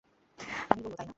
তামিল বললো, তাই না?